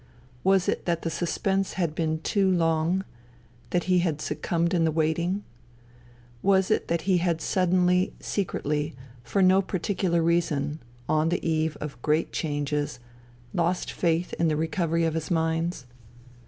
Was it that the suspense had been too long, that he had succumbed in the waiting ? Was it that he had suddenly, secretly, for no par ticular reason, on the eve of great changes, lost faith in the recovery of his mines